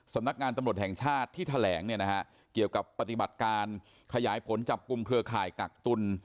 สำนักงานตำรวจแห่งชาติที่แถลงเนี่ยนะฮะเกี่ยวกับปฏิบัติการขยายผลจับกลุ่มเครือข่ายกักตุล